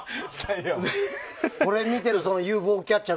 これ見てるとＵＦＯキャッチャー